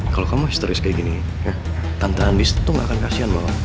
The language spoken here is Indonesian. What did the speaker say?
kalau kamu historis kayak gini tante andis tuh gak akan kasihan malah